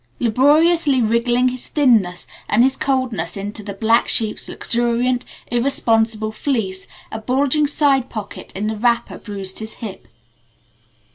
Laboriously wriggling his thinness and his coldness into the black sheep's luxuriant, irresponsible fleece, a bulging side pocket in the wrapper bruised his hip.